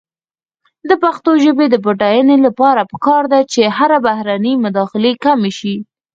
د پښتو ژبې د بډاینې لپاره پکار ده چې بهرنۍ مداخلې کمې شي.